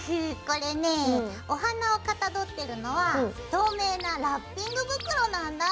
これねお花をかたどってるのは透明なラッピング袋なんだ。